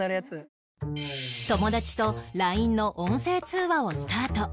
友達と ＬＩＮＥ の音声通話をスタート